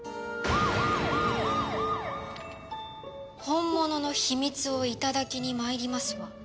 「本物の『秘密』を戴きに参りますわ」